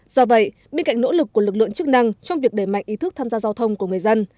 do vậy bên cạnh nỗ lực của lực lượng chức năng trong việc đẩy mạnh ý thức tham gia giao thông của người dân